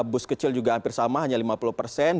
bus kecil juga hampir sama hanya lima puluh persen